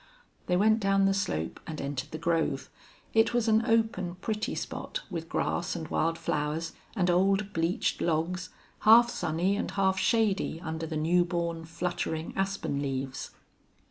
They went down the slope and entered the grove. It was an open, pretty spot, with grass and wild flowers, and old, bleached logs, half sunny and half shady under the new born, fluttering aspen leaves.